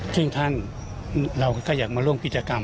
ซึ่งท่านเราก็อยากมาร่วมกิจกรรม